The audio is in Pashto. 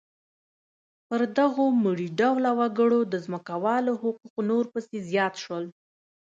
پر دغو مري ډوله وګړو د ځمکوالو حقوق نور پسې زیات شول.